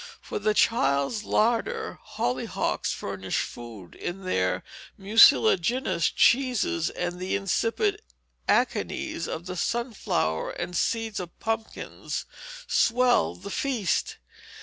For the child's larder, hollyhocks furnished food in their mucilaginous cheeses, and the insipid akenes of the sunflower and seeds of pumpkins swelled the feast.